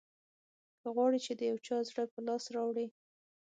که غواړې چې د یو چا زړه په لاس راوړې.